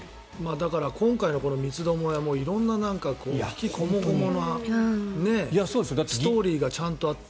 だから今回のこの三つどもえは色んな悲喜こもごもなストーリーがちゃんとあって。